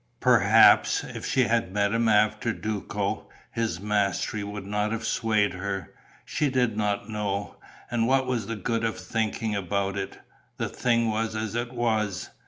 Perhaps, if she had met him after Duco, his mastery would not have swayed her. She did not know. And what was the good of thinking about it. The thing was as it was.